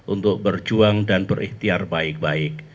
untuk berjuang dan berikhtiar baik baik